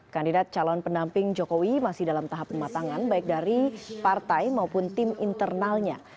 kandidat calon pendamping jokowi masih dalam tahap pematangan baik dari partai maupun tim internalnya